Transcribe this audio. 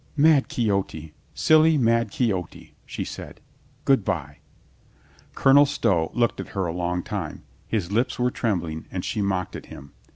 "Mad Quixote. Silly, mad Quixote," she said. "Good by." Colonel Stow looked at her a long time. His lips were trembling and she mocked at him.